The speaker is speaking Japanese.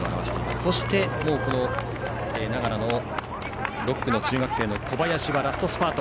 そして、長野の６区の中学生の小林はラストスパート。